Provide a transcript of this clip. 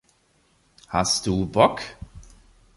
Hast du Bock?